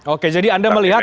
oke jadi anda melihat